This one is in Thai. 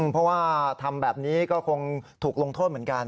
เพราะว่าทำแบบนี้ก็คงถูกลงโทษเหมือนกัน